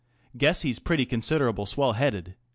Guess he's pretty considerable swell headed